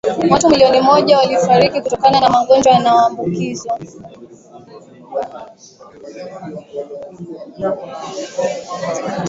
watu milioni moja walifariki kutokana na magonjwa yanayoambukiza